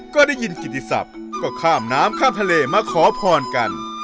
ก็ได้ยินกิติศัพท์ก็ข้ามน้ำข้ามทะเลมาขอพรกัน